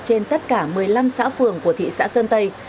trên tất cả một mươi năm xã phường của thị xã sơn tây